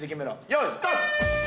よーいスタート！